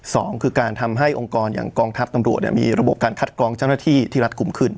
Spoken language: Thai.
สองคือการทำให้องค์กรอย่างกองทัพตำรวจมีระบบการคัดกรองเจ้าหน้าที่ที่รัฐกลุ่มขึ้น